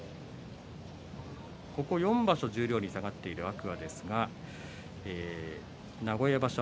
ここ４場所十両に下がっている天空海ですが名古屋場所